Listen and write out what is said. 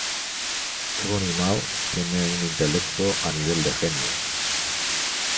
Ebony Maw tiene un intelecto a nivel de genio.